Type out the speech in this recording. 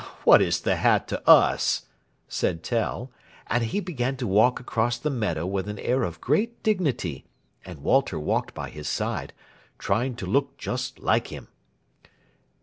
"What is the hat to us?" said Tell; and he began to walk across the meadow with an air of great dignity, and Walter walked by his side, trying to look just like him.